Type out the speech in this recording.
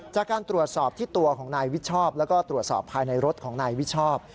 จากการตรวจสอบที่ตัวของนายวิชชอบแล้วก็ตรวจสอบภายในรถของนายวิชอบ